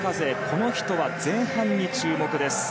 この人は前半に注目です。